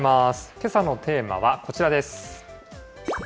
けさのテーマはこちらです。